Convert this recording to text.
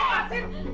lepas di ibu